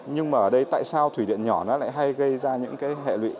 nhưng mà ở đây tại sao thủy điện nhỏ lại hay gây ra những hệ lụy